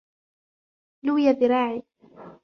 لوى ذراعي.